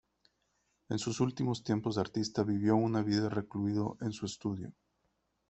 En sus últimos tiempos de artista vivió una vida recluido en su estudio.